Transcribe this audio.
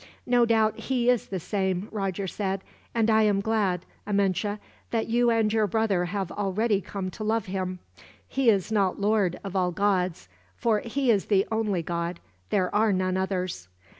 "No doubt He is the same," Roger said; "and I am glad, Amenche, that you and your brother have already come to love Him. He is not Lord of all gods, for He is the only God. There are none others.